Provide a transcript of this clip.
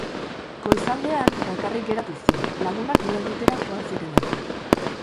Goizaldean, bakarrik geratu zen, lagunak lo egitera joan zirelako.